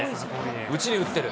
打ちに打ってる。